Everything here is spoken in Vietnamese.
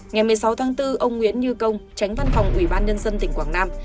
ngày một mươi sáu tháng bốn ông nguyễn như công tránh văn phòng ủy ban nhân dân tỉnh quảng nam